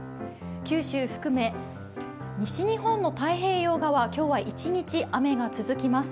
九州含め西日本の太平洋側、今日は一日雨が続きます。